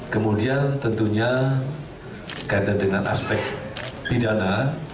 kemudian tentunya kaitan dengan aspek pidana